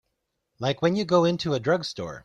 Like when you go into a drugstore.